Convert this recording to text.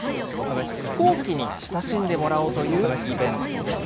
飛行機に親しんでもらおうというイベントです。